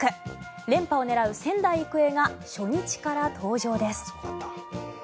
連覇を狙う仙台育英が初日から登場です。